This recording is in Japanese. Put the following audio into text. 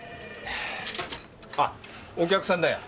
あお客さんだよ。